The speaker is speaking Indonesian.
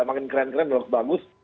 makin keren keren lok bagus